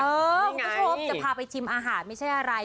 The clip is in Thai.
คุณผู้ชมจะพาไปชิมอาหารไม่ใช่อะไร